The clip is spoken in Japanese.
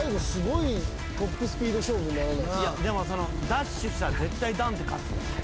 でもダッシュしたら絶対ダンテ勝つ。